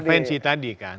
intervensi tadi kan